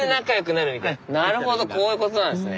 なるほどこういうことなんですね。